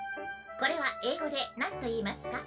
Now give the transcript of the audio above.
これは英語でなんといいますか？